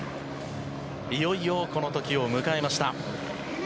いよいよ、この時を迎えました。